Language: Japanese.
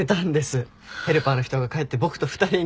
ヘルパーの人が帰って僕と２人になったら。